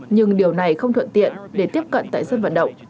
nhưng điều này không thuận tiện để tiếp cận tại sân vận động